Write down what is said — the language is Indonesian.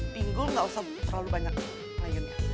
pinggul gak usah terlalu banyak layunnya